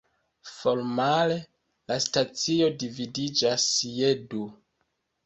Formale, la stacio dividiĝas je du.